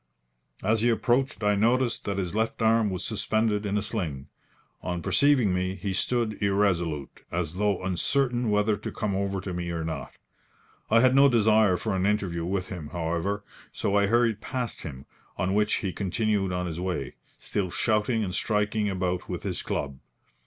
As he approached I noticed that his left arm was suspended in a sling. On perceiving me he stood irresolute, as though uncertain whether to come over to me or not. I had no desire for an interview with him, however, so I hurried past him, on which he continued on his way, still shouting and striking about with his club.